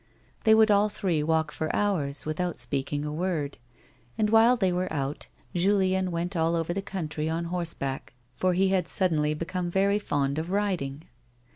They would all three walk for hours without speak ing a word, and, while they were out, Julien went all over the country on horseback, for he had suddenly become very fond of riding.